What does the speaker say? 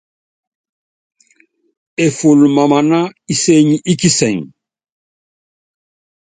Eful mamana isény í kisɛŋ.